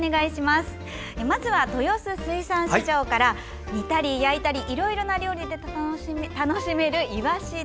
まずは、豊洲水産市場から煮たり焼いたりいろいろな料理で楽しめるイワシ。